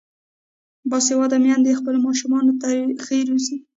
باسواده میندې خپل ماشومان ښه روزي.